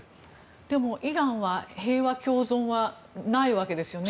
でも、イランは平和共存はないわけですよね。